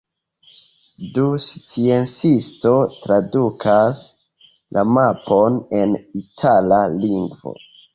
Du sciencistoj tradukas la mapon en itala lingvo.